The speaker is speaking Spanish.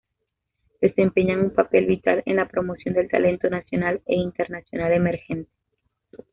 Desempeña un papel vital en la promoción del talento nacional e internacional emergente..